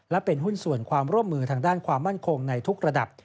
และเป็นหุ้นส่วนความร่วมมือทางด้านความมั่นคงในทุกระดับ